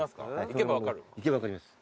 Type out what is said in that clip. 行けば分かります。